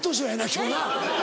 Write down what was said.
今日な。